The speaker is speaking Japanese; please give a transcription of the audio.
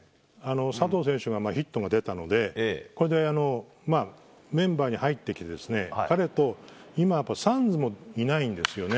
佐藤選手はヒットも出たのでこれで、メンバーに入ってきて彼と今、サンズもいないんですよね。